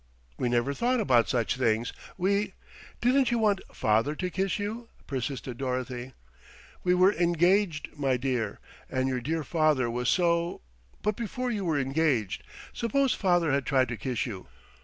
"We never thought about such things. We " "Didn't you want father to kiss you?" persisted Dorothy. "We were engaged, my dear, and your dear father was so " "But before you were engaged. Suppose father had tried to kiss you.